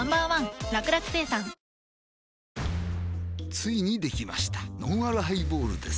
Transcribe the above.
ついにできましたのんあるハイボールです